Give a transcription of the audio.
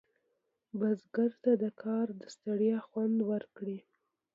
بزګر ته د کار د ستړیا خوند ورکړي